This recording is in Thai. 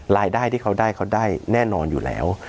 รายได้ที่เขาได้เขาได้แน่นอนอยู่แล้ว